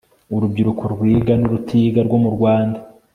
urubyiruko rwiga n'urutiga rwo mu rwanda